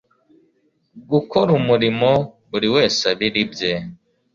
gukora umurimo buri wese abire ibye